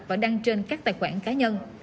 và đăng trên các tài khoản cá nhân